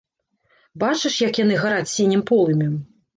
Бачыш, як яны гараць сінім полымем?